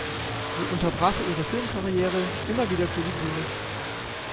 Sie unterbrach ihre Filmkarriere immer wieder für die Bühne.